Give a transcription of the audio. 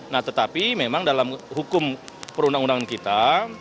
nah tetapi memang dalam hukum perundang undangan kita